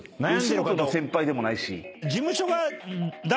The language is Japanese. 吉本の先輩でもないし。